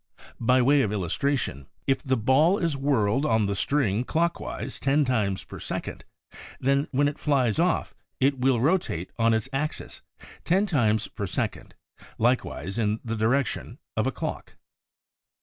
By way of illustration — if the ball is whirled on the string clockwise ten times per second, then when it flies off, it will rotate on its axis ten times per second, likewise in the direction of a clock.